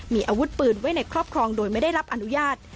มีอาวุธปืนไว้ในครอบครองโดยไม่ได้รับอนุญาต